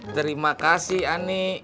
terima kasih ani